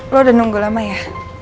lo udah nunggu lama ya